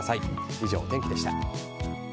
以上、お天気でした。